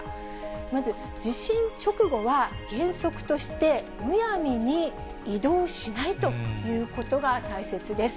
まず、地震直後は原則として、むやみに移動しないということが大切です。